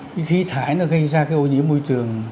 cái khí thải nó gây ra cái ô nhiễm môi trường